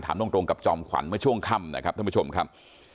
ถามตรงกับจอมขวัญเมื่อช่วงค่ำนะครับท่านผู้ชมครับ